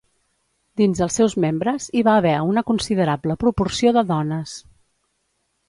Dins els seus membres, hi va haver una considerable proporció de dones.